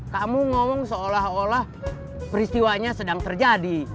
kamu ngomong seolah olah peristiwanya sedang terjadi